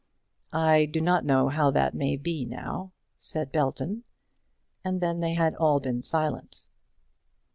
"I do not know how that may be now," said Belton. And then they had all been silent.